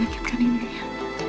terima kasih ya